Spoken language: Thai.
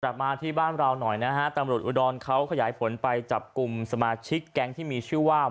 กลับมาที่บ้านเราหน่อยนะฮะตำรวจอุดรเขาขยายผลไปจับกลุ่มสมาชิกแก๊งที่มีชื่อว่า